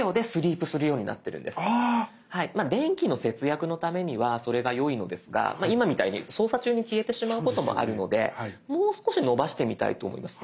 まあ電気の節約のためにはそれがよいのですが今みたいに操作中に消えてしまうこともあるのでもう少し延ばしてみたいと思います。